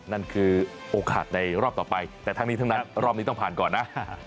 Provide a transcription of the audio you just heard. นั่นคือโอกาสในรอบต่อไปแต่ทั้งนี้ทั้งนั้นรอบนี้ต้องผ่านก่อนนะ